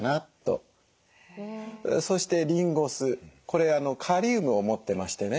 そしてリンゴ酢これカリウムを持ってましてね。